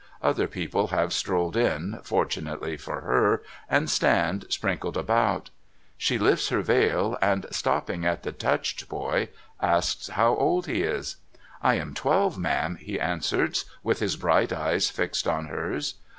Other people have strolled in, fortunately for her, and stand sprinkled about. She lifts her veil, and, stopping at the touched boy, asks how old he is ?' I am twelve, ma'am,' he answers, with his bright eyes fixed on hers.